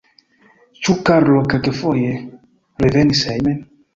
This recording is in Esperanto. Ĉu Karlo kelkafoje revenis hejmen?